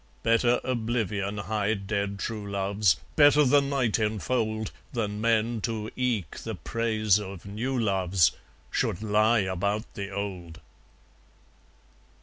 Better oblivion hide dead true loves, Better the night enfold, Than men, to eke the praise of new loves, Should lie about the old!